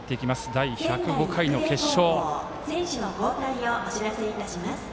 第１０５回の決勝。